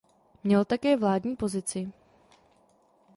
Měl také vládní pozici.